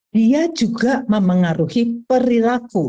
dia juga mempengaruhi perilaku